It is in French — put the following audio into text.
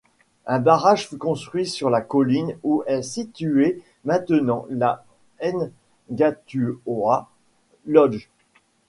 Un barrage fut construit sur la colline où est située maintenant la Ngatuhoa Lodge.